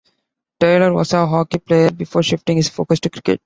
Taylor was a hockey player before shifting his focus to cricket.